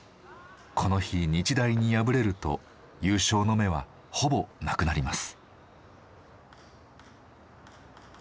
この日日大に敗れると優勝の目はほぼなくなります。